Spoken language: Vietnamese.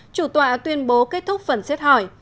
chủ tọa tuyên bố kết thúc phần xét hỏi